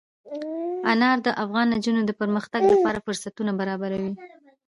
انار د افغان نجونو د پرمختګ لپاره فرصتونه برابروي.